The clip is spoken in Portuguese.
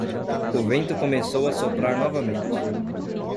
O vento começou a soprar novamente.